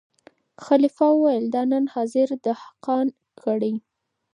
خلیفه ویل دا نن حاضر دهقان کړی